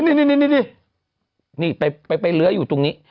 น่าจะใช่ได้นี่นี่ไปเลื้อยู่ตรงนี้